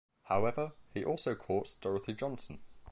However, he also courts Dorothy Johnson.